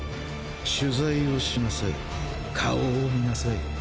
取材をしなさい顔を見なさい。